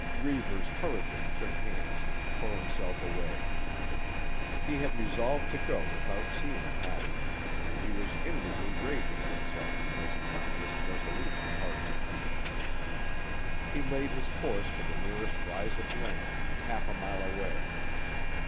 Reivers hurriedly shook hands and tore himself away. He had resolved to go without seeing Hattie, and he was inwardly raging at himself because he found this resolution hard to keep. He laid his course for the nearest rise of land, half a mile away.